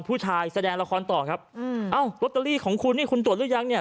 แสดงละครต่อครับอืมเอ้าลอตเตอรี่ของคุณนี่คุณตรวจหรือยังเนี่ย